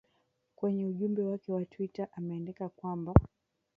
kwenye ujumbe wake wa twitter ameandika kwamba